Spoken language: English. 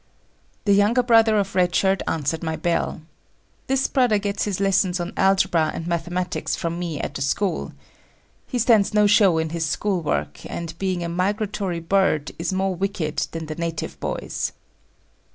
The younger brother of Red Shirt answered my bell. This brother gets his lessons on algebra and mathematics from me at the school. He stands no show in his school work, and being a "migratory bird" is more wicked than the native boys.